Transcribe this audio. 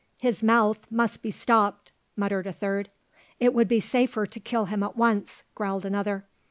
"His mouth must be stopped," muttered a third. "It would be safer to kill him at once," growled another.